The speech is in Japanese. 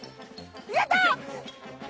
やった！